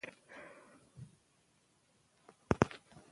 نورستان د افغان ځوانانو لپاره دلچسپي لري.